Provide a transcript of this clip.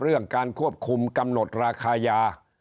เรื่องการควบคุมกำหนดราคายา